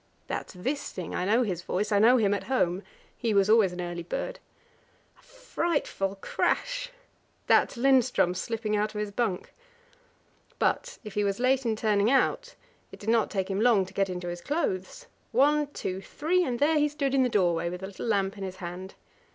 That's Wisting; I know his voice I know him at home. He was always an early bird. A frightful crash! That's Lindström slipping out of his bunk. But if he was late in turning out, it did not take him long to get into his clothes. One! two! three! and there he stood in the doorway, with a little lamp in his hand.